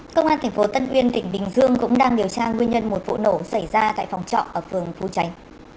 công an tp tân uyên tỉnh bình dương cũng đang điều tra nguyên nhân một vụ nổ xảy ra tại phòng trọ ở phường phú tránh